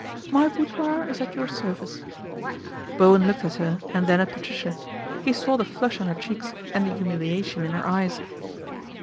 " My boudoir is at your service." Bowen looked at her and then at Patricia. He saw the flush on her cheeks and the humiliation in her eyes.